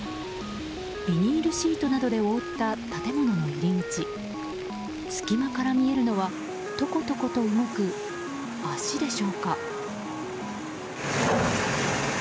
ビニールシートなどで覆った建物の入り口隙間から見えるのはトコトコと動く足でしょうか。